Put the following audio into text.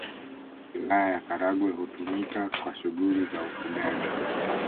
Wilaya ya Karagwe hutumika kwa shughuli za ufugaji